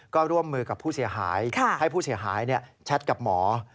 ก็ร่วมมือกับผู้เสียหายให้ผู้เสียหายแชทกับหมอ